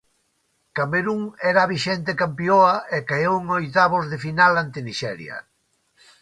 Camerún era a vixente campioa e caeu en oitavos de final ante Nixeria.